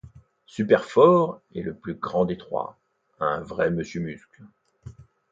Super-fort est le plus grand des trois, un vrai monsieur muscle.